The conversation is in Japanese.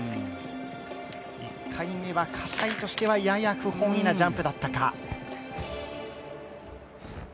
１回目は葛西としてはやや不本意なジャンプだったか。